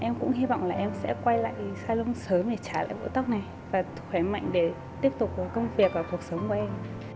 em cũng hy vọng là em sẽ quay lại salon sớm để trả lại ngũ tóc này và khỏe mạnh để tiếp tục công việc và cuộc sống của em